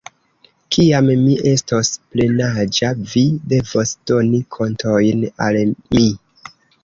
Kiam mi estos plenaĝa vi devos doni kontojn al mi.